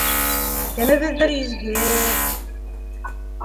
- Кемебеҙҙер изге...